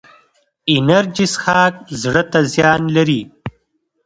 انرژي څښاک زړه ته زیان لري